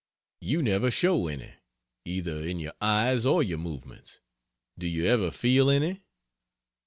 You never show any, either in your eyes or your movements; do you ever feel any?"